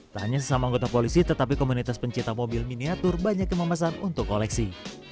tak hanya sesama anggota polisi tetapi komunitas pencipta mobil miniatur banyak yang memesan untuk koleksi